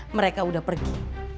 mereka udah pergi